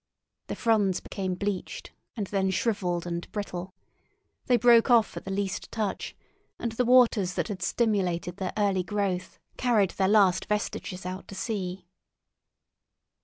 The fronds became bleached, and then shrivelled and brittle. They broke off at the least touch, and the waters that had stimulated their early growth carried their last vestiges out to sea.